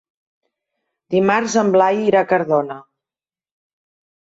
Dimarts en Blai irà a Cardona.